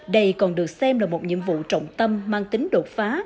đây còn được xem là một nhiệm vụ trọng tâm mang tính đột phá